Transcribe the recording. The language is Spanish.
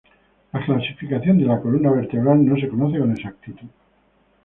La clasificación de la columna vertebral no se conoce con exactitud.